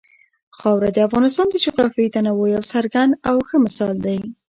خاوره د افغانستان د جغرافیوي تنوع یو څرګند او ښه مثال دی.